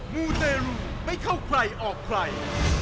มูเตรูไม่เข้าใครออกใคร